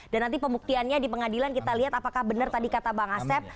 dan nanti pembuktiannya di pengadilan kita lihat apakah benar tadi kata bang asep